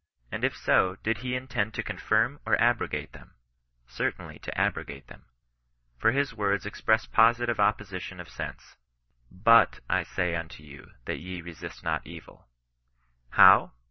And if so, did he intend to confirm or to abrogate them ? Certainly to abrogate them. For his words express posi CHRISTIAN NON BESISTAnCE. 23 tive opposition of sense :—" BUT I say unto you, that ye resist not evil." How